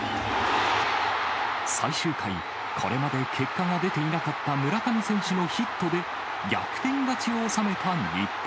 最終回、これまで結果が出ていなかった村上選手のヒットで、逆転勝ちを収めた日本。